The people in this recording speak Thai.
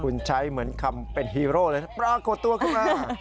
คุณใช้เหมือนคำเป็นฮีโร่เลยปรากฏตัวขึ้นมา